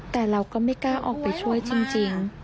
แต่เราก็ไม่กล้าออกไปช่วยจริง